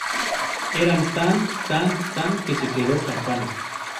Era tan, tan, tan que se quedó campana